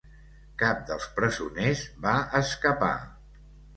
Cap dels presoners va escapar.